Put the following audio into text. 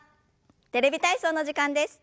「テレビ体操」の時間です。